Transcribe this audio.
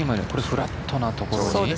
フラットなところに。